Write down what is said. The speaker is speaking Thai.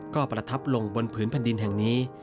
ก็ประทับลงบนพื้นพันธุ์ดินแห่งนี้